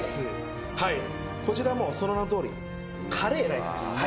こちらもうその名のとおり辛ぇライスです。